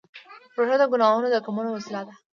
روژه د ګناهونو د کمولو وسیله ده.